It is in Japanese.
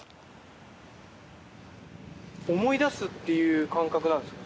思い出すっていう感覚なんですか？